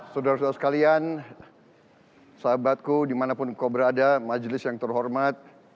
saudara saudara sekalian sahabatku dimanapun kau berada majelis yang terhormat